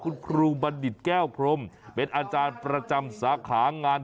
คุณครูบัณฑิตแก้วพรมเป็นอาจารย์ประจำสาขางาน